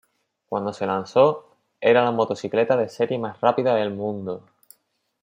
Cuando se lanzó, era la motocicleta de serie más rápida del mundo.